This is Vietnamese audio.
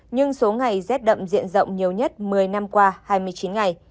nhưng số ngày rét đậm diện rộng nhiều nhất một mươi năm qua hai mươi chín ngày